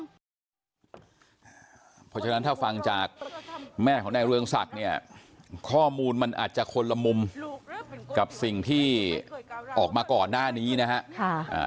เพราะฉะนั้นถ้าฟังจากแม่ของนายเรืองศักดิ์เนี่ยข้อมูลมันอาจจะคนละมุมกับสิ่งที่ออกมาก่อนหน้านี้นะฮะ